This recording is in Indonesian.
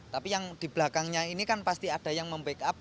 tapi yang di belakangnya ini kan pasti ada yang membackup